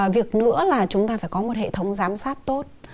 việc nữa là chúng ta phải có một hệ thống giám sát tốt